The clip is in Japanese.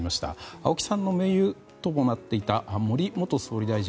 青木さんの盟友ともなっていた森元総理大臣。